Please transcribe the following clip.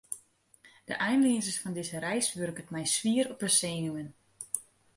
De einleazens fan dizze reis wurket my swier op 'e senuwen.